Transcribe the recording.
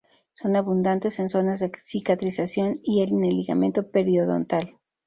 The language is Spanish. Son abundantes en zonas de cicatrización y en el ligamento periodontal.